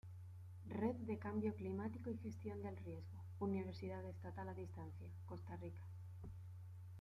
Red de Cambio Climático y Gestión del Riesgo, Universidad Estatal a Distancia, Costa Rica.